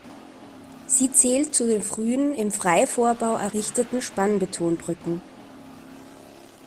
Sie zählt zu den frühen, im Freivorbau errichteten Spannbetonbrücken.